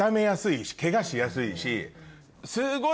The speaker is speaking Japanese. ケガしやすいし。